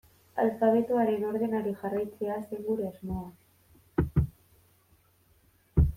Alfabetoaren ordenari jarraitzea zen gure asmoa.